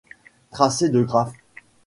Tracé de graphes.